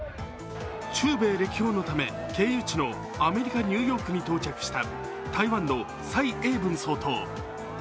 中米歴訪のため、経由地のアメリカ・ニューヨークに到着した台湾の蔡英文総統。